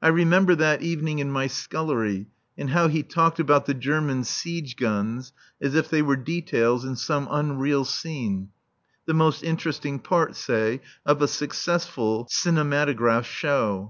I remember that evening in my scullery, and how he talked about the German siege guns as if they were details in some unreal scene, the most interesting part, say, of a successful cinematograph show.